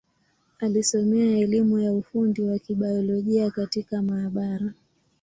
Alisomea elimu ya ufundi wa Kibiolojia katika maabara.